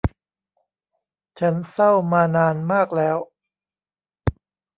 ฉันเศร้ามานานมากแล้ว